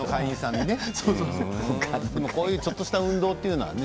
でもちょっとした運動というのはね。